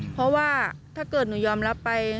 เพราะว่าถ้าเกิดหนูยอมรับไป